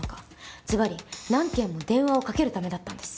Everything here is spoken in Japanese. ズバリ何件も電話をかけるためだったんです。